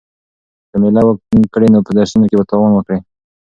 که مېله وکړې نو په درسونو کې به تاوان وکړې.